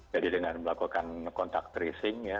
jadi dengan melakukan kontak tracing ya